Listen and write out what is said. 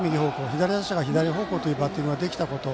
左打者が左方向というバッティングができたこと。